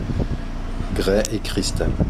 Grès et cristal